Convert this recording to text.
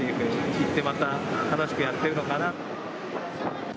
いってまた、楽しくやってるのかな。